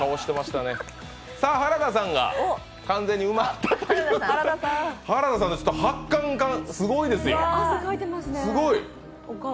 原田さんが完全に埋まったということで発汗がすごいですよ。